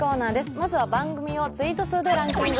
まずは番組をツイート数でランキング。